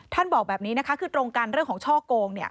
บอกแบบนี้นะคะคือตรงกันเรื่องของช่อโกงเนี่ย